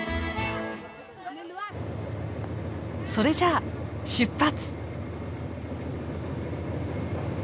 それじゃあ出発！